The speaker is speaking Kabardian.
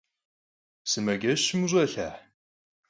Sımaceşım vuş'elha?